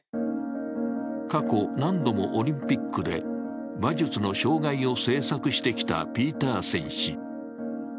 過去、何度もオリンピックで馬術の障害を制作してきたピーターセン氏。